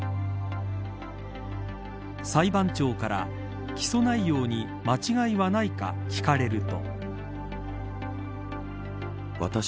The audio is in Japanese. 裁判長から起訴内容に間違いはないか聞かれると。